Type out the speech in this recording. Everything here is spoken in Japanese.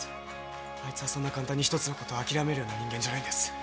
あいつはそんな簡単に一つのことをあきらめるような人間じゃないです。